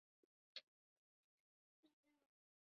ځکه چې دغه هېوادونه د غوره تګلارو په خپلولو بریالي راوتلي.